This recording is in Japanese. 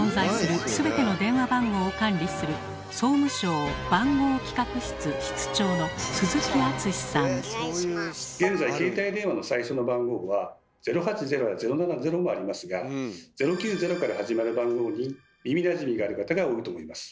日本に存在する全ての電話番号を管理する現在携帯電話の最初の番号は「０８０」や「０７０」もありますが「０９０」から始まる番号に耳なじみがある方が多いと思います。